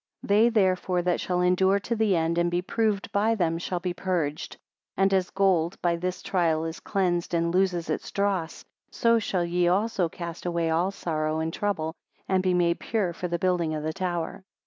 26 They therefore, that shall endure to the end, and be proved by them, shall be purged. And as gold, by this trial, is cleansed and loses its dross, so shall ye also cast away all sorrow and trouble, and be made pure for the building of the tower.